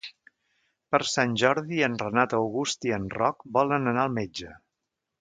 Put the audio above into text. Per Sant Jordi en Renat August i en Roc volen anar al metge.